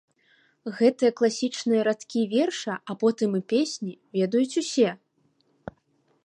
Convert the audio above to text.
Гэтыя класічныя радкі верша, а потым і песні, ведаюць усе.